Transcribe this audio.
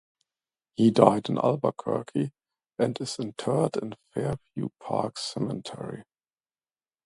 He died in Albuquerque, and is interred in Fairview Park Cemetery.